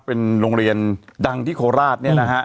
เป็นโรงเรียนดังที่โคราช